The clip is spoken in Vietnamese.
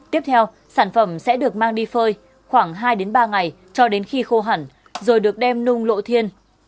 tiếp theo sản phẩm sẽ được mang đi phơi khoảng hai ba ngày cho đến khi khô hẳn rồi được đem nung lộ thiên